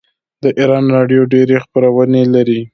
د ایران راډیو ډیرې خپرونې لري.